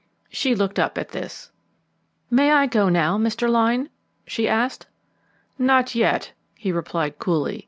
She looked up at this. "May I go now, Mr. Lyne?" she asked. "Not yet," he replied coolly.